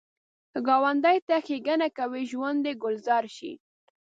که ګاونډي ته ښیګڼه کوې، ژوند دې ګلزار شي